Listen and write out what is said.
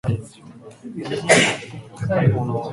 冬になると手がすぐに乾きます。